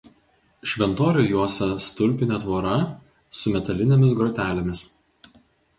Šventorių juosia stulpinė tvora su metalinėmis grotelėmis.